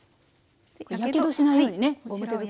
やけどしないようにねゴム手袋。